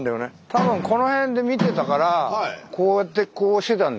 多分この辺で見てたからこうやってこうしてたんだよね。